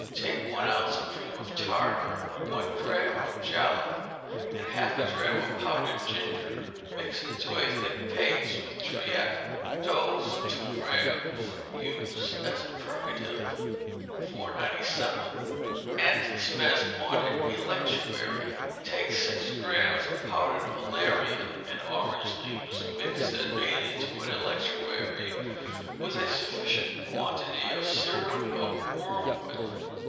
Take one ounce of cream of tartar, one drachm of jalap, and half a drachm of powdered ginger; mix into a thick paste with treacle. Dose, two drachms. Use as a purgative. 497. Antispasmodic Electuary. Take six drachms of powdered valerian and orange leaves, mixed and made into an electuary, with a sufficient quantity of syrup of wormwood.